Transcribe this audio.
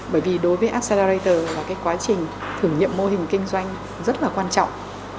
bởi vì đối với accelerator là cái quá trình thử nghiệm mô hình kinh doanh rất là quan trọng